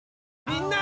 みんな！